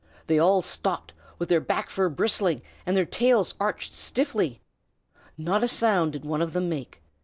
They all stopped with their back fur bristling and their tails arched stiffly. Not a sound did one of them make.